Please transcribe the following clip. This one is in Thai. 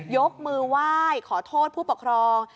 ยกมือไหว้ขอโทษผู้ปกครอง